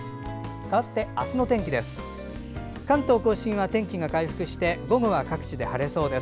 かわって、明日の天気です。